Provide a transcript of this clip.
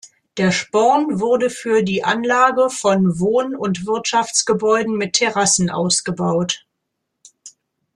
Der Sporn wurde für die Anlage von Wohn- und Wirtschaftsgebäuden mit Terrassen ausgebaut.